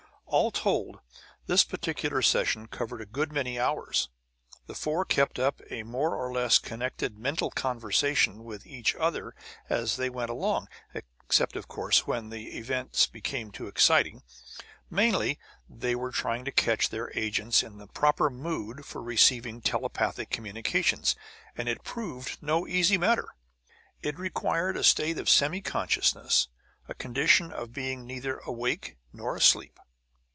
All told, this particular session covered a good many hours. The four kept up a more or less connected mental conversation with each other as they went along, except, of course, when the events became too exciting. Mainly they were trying to catch their agents in the proper mood for receiving telepathic communications, and it proved no easy matter. It required a state of semi consciousness, a condition of being neither awake nor asleep.